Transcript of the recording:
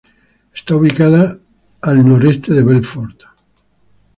Está ubicada a al noreste de Belfort.